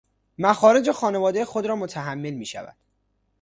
مخارج خانوادۀ خودرا متحمل میشود